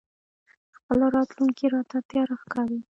خپله راتلونکې راته تياره ښکاري.